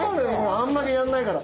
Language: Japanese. あんまりやんないから。